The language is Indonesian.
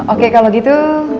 oke kalau gitu